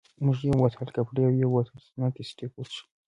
مو یو بوتل کپري او یو بوتل سنت اېسټېف وڅېښل.